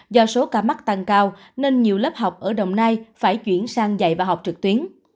do số ca mắc tăng cao nên nhiều lớp học ở đồng nai phải chuyển sang dạy và học trực tuyến